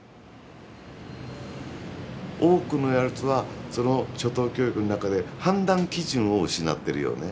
多くのやつはその初等教育の中で判断基準を失ってるよね。